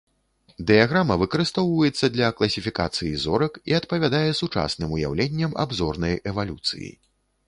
Дыяграма выкарыстоўваецца для класіфікацыі зорак і адпавядае сучасным уяўленням аб зорнай эвалюцыі.